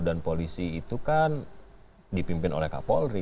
dan polisi itu kan dipimpin oleh kapolri